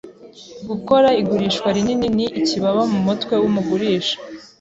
Gukora igurishwa rinini ni ikibaba mumutwe wumugurisha.